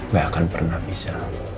gak akan pernah bisa